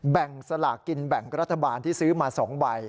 แบ่งสลักกินแบ่งกรัฐบาลที่ซื้อมาสองใบ